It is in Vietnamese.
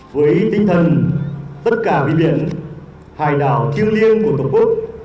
với tinh thần tất cả biển hải đảo tiêu liêng của tổ quốc